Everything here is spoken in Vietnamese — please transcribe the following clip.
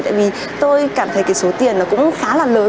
tại vì tôi cảm thấy cái số tiền nó cũng khá là lớn